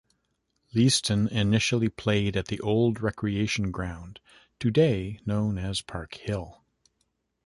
Leiston initially played at the old Recreation Ground, today known as Park Hill.